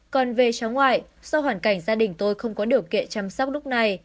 còn về cháu ngoại do hoàn cảnh gia đình tôi không có điều kiện chăm sóc lúc này